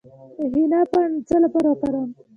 د حنا پاڼې د څه لپاره وکاروم؟